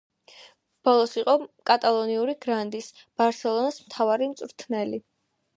ბოლოს იყო კატალონიური გრანდის, „ბარსელონას“ მთავარი მწვრთნელი.